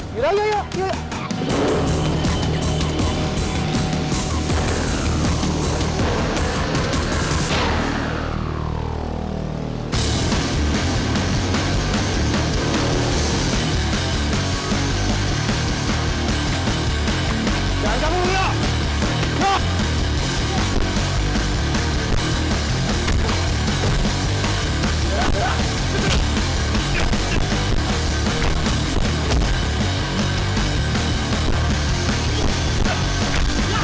syukur syukur sih bule ala yang babak belur